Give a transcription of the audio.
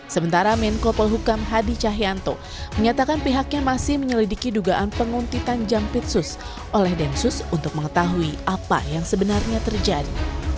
sementara menko polhukam hadi cahyanto menyatakan pihaknya masih menyelidiki dugaan penguntitan jampitsus oleh densus untuk mengetahui apa yang sebenarnya terjadi